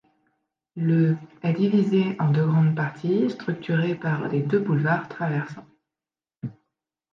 Le est divisé en deux grandes parties structurées par les deux boulevards traversants.